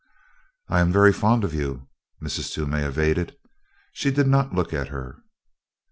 "I am very fond of you," Mrs. Toomey evaded. She did not look at her.